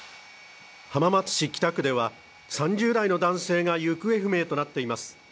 浜松市北区では３０代の男性が行方不明となっています。